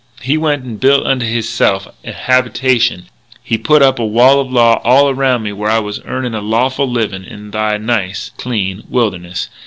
He went and built unto hisself an habitation, and he put up a wall of law all around me where I was earnin' a lawful livin' in Thy nice, clean wilderness....